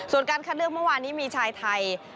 ส่วนการคัดเลือกเมื่อวานนี้มีชายไทย